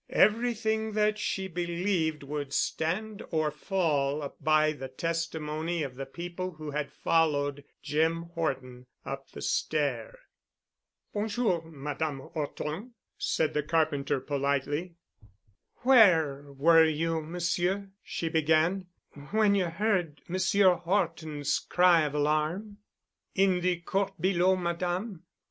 Everything that she believed, would stand or fall by the testimony of the people who had followed Jim Horton up the stair. "Bon jour, Madame 'Orton," said the carpenter politely. "Where were you, Monsieur," she began, "when you heard Monsieur Horton's cry of alarm?" "In the court below, Madame.